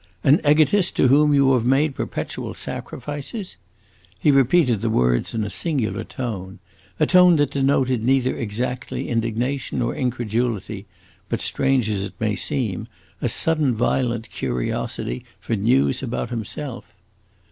"An egotist to whom you have made perpetual sacrifices?" He repeated the words in a singular tone; a tone that denoted neither exactly indignation nor incredulity, but (strange as it may seem) a sudden violent curiosity for news about himself.